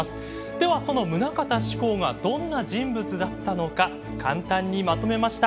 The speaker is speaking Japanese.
ではその棟方志功がどんな人物だったのか簡単にまとめました。